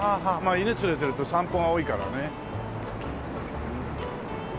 犬連れてると散歩が多いからね。